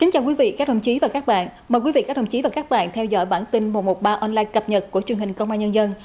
chào mừng quý vị đến với bản tin một trăm một mươi ba online cập nhật của truyền hình công an nhân dân